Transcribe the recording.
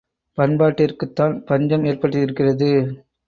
பண்பாட்டிற்குத்தான் பஞ்சம் ஏற்பட்டிருக்கிறது.